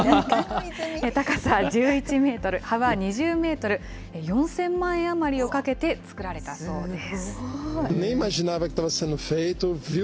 高さ１１メートル、幅２０メートル、４０００万円余りをかけて作られたそうです。